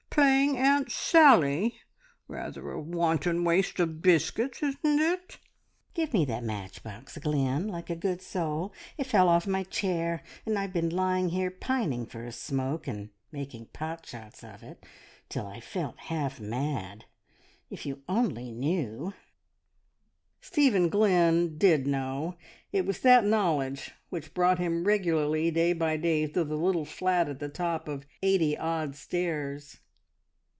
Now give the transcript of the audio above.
Playing Aunt Sally? Rather a wanton waste of biscuits, isn't it?" "Try 'em, and see! Soft as dough. Give me that matchbox, Glynn, like a good soul. It fell off my chair, and I've been lying here pining for a smoke, and making pot shots of it, till I felt half mad. If you only knew " Stephen Glynn did know. It was that knowledge which brought him regularly day by day to the little flat at the top of eighty odd stairs.